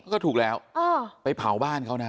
ก็ถูกแล้วไปเผาบ้านเขานะ